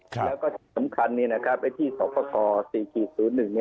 แล้วก็สำคัญนี้นะครับที่ส่วนประกอบ๔๐๑